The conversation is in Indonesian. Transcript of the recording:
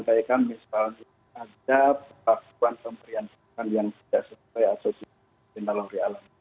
kira kira itu tidak benar